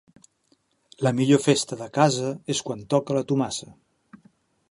La millor festa de casa és quan toca la Tomasa.